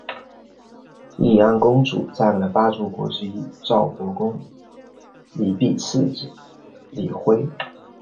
义安公主嫁给了八柱国之一赵国公李弼次子李晖。